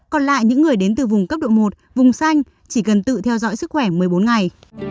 còn lại những người đến từ vùng cấp độ một vùng xanh chỉ cần tự theo dõi sức khỏe một mươi bốn ngày